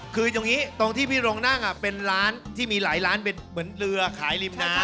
คืออย่างนี้ตรงที่พี่โรงนั่งเป็นร้านที่มีหลายร้านเป็นเหมือนเรือขายริมน้ำ